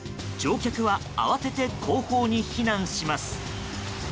乗客は慌てて後方に避難します。